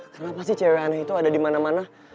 kenapa sih cewek ana itu ada dimana mana